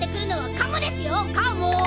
カモ！